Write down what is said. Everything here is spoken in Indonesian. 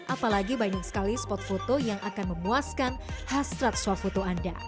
apalagi banyak sekali spot foto yang akan memuaskan khas strat swafoto